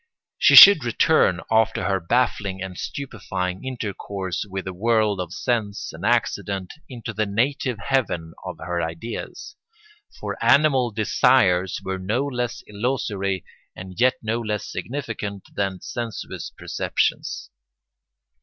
She should return, after her baffling and stupefying intercourse with the world of sense and accident, into the native heaven of her ideas. For animal desires were no less illusory, and yet no less significant, than sensuous perceptions.